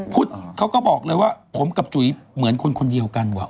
พุทธเขาก็บอกเลยว่าผมกับจุ๋ยเหมือนคนคนเดียวกันว่ะ